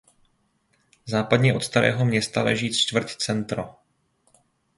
Západně od Starého Města leží čtvrť Centro.